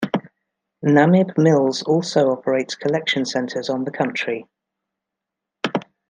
Namib Mills also operates collection centers on the country.